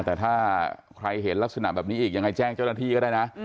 แต่ถ้าใครเห็นลักษณะแบบนี้อีกยังไงแจ้งเจ้าหน้าที่ก็ได้นะ